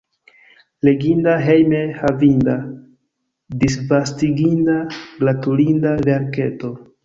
Leginda, hejme havinda, disvastiginda, gratulinda verketo.